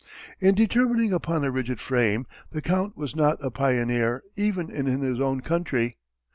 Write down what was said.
In determining upon a rigid frame the Count was not a pioneer even in his own country.